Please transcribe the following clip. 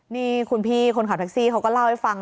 นี่คุณพี่คนขับแท็กซี่เขาก็เล่าให้ฟัง